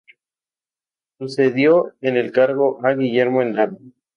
Sucedió en el cargo a Guillermo Endara.